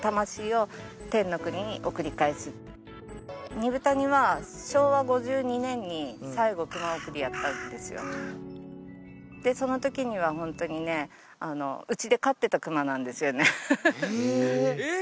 二風谷は昭和５２年に最後熊送りやったんですよでそのときにはホントにねうちで飼ってた熊なんですよねえ！